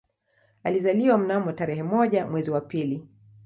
Alizaliwa mnamo tarehe moja mwezi wa pili